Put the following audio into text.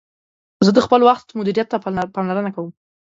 زه د خپل وخت مدیریت ته پاملرنه کوم.